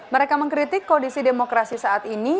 mereka mengkritik kondisi demokrasi saat ini